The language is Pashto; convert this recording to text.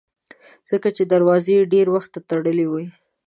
ځکه چې دروازې یې ډېر وخت تړلې وي.